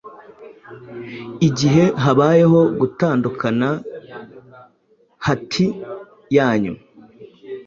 igihe habayeho gutandukana hati yanyu